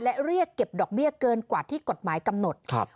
และเรียกเก็บดอกเบี้ยเกินกว่าที่กฎหมายกำหนด